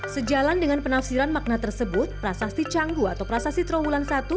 sejalan dengan penafsiran makna tersebut prasasti canggu atau prasasti trawulan satu